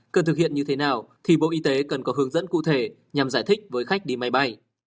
cần thực hiện như thế nào thì bộ y tế cần có hướng dẫn cụ thể nhằm giải thích với khách đi máy bay